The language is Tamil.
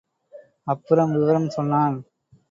அப்புறம் விவரம் சொன்னான்.